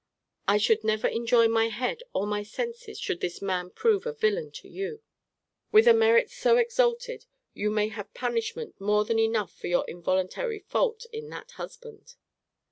I should never enjoy my head or my senses should this man prove a villain to you! With a merit so exalted, you may have punishment more than enough for your involuntary fault in that husband.